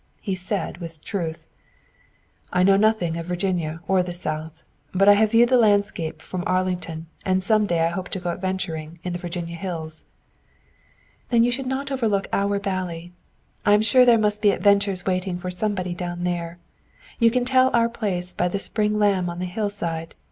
He said, with truth: "I know nothing of Virginia or the South; but I have viewed the landscape from Arlington and some day I hope to go adventuring in the Virginia hills." "Then you should not overlook our valley. I am sure there must be adventures waiting for somebody down there. You can tell our place by the spring lamb on the hillside.